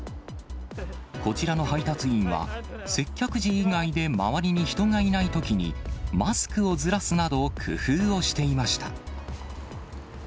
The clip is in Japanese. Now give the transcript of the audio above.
こちらの配達員は、接客時以外で周りに人がいないときに、マスクをずらすなど、工夫をしていました。